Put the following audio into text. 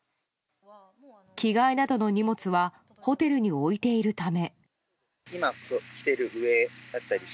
着替えなどの荷物はホテルに置いているため。